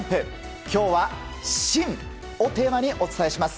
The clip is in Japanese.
今日は、「新」をテーマにお伝えします。